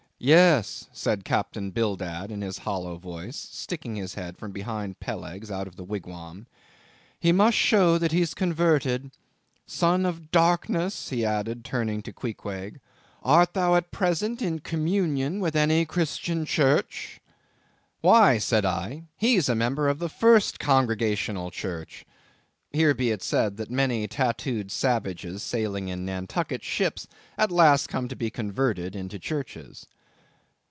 "Yes," said Captain Bildad in his hollow voice, sticking his head from behind Peleg's, out of the wigwam. "He must show that he's converted. Son of darkness," he added, turning to Queequeg, "art thou at present in communion with any Christian church?" "Why," said I, "he's a member of the first Congregational Church." Here be it said, that many tattooed savages sailing in Nantucket ships at last come to be converted into the churches.